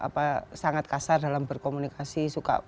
karena sangat kasar dalam berkomunikasi